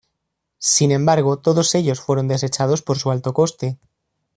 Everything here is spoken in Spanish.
Sin embargo, todos ellos fueron desechados por su alto coste.